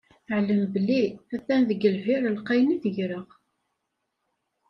Ɛlem belli a-t-an deg lbir lqayen i tegreɣ.